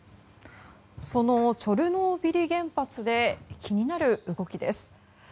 そのチョルノービリ原発で気になる動きです。